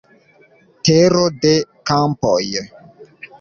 Tero de Kampoj.